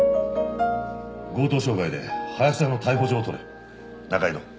強盗傷害で林田の逮捕状を取れ仲井戸。